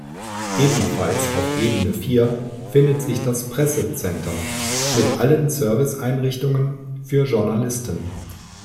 Ebenfalls auf Ebene vier findet sich das Presse-Center mit allen Service-Einrichtungen für Journalisten.